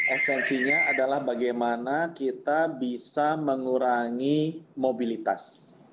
esensinya adalah bagaimana kita bisa mengurangi mobilitas